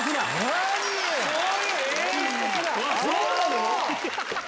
何⁉そうなの？